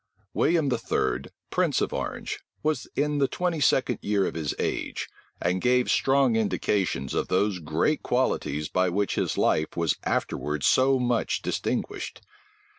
William III., prince of Orange, was in the twenty second year of his age, and gave strong indications of those great qualities by which his life was afterwards so much distinguished.